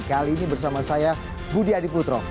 kali ini bersama saya budi adiputro